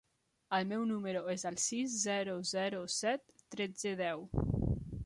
El meu número es el sis, zero, zero, set, tretze, deu.